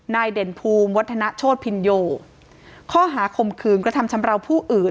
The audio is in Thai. เด่นภูมิวัฒนโชธพินโยข้อหาข่มขืนกระทำชำราวผู้อื่น